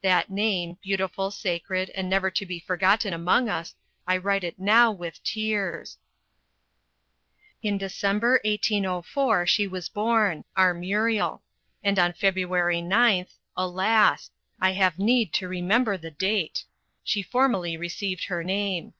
That name beautiful, sacred, and never to be forgotten among us I write it now with tears. In December, 1802, she was born our Muriel. And on February 9th alas! I have need to remember the date! she formally received her name.